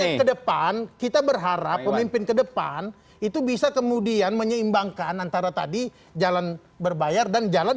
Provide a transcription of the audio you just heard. tapi ke depan kita berharap pemimpin ke depan itu bisa kemudian menyeimbangkan antara tadi jalan berbayar dan jalan